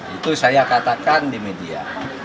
itu saya katakan di media